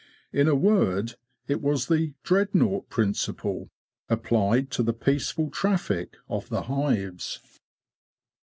In a word, it was the '' Dreadnought '' principle applied to the peaceful traffic of the hives.